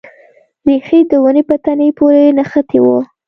ریښه د ونې په تنې پورې نښتې وه.